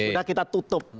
sudah kita tutup